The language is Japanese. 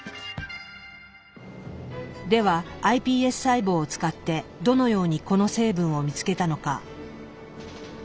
ではｉＰＳ細胞を使ってどのようにこの成分を見つけたのか。